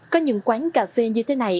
có những quán cà phê như thế này